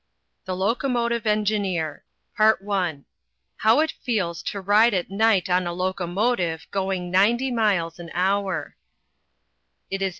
THE LOCOMOTIVE ENGINEER I HOW IT FEELS TO RIDE AT NIGHT ON A LOCOMOTIVE GOING NINETY MILES AN HOUR IT is 8.